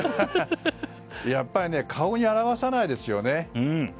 やっぱりね顔に表さないですよね。